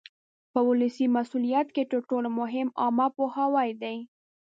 په ولسي مسؤلیت کې تر ټولو مهم عامه پوهاوی دی.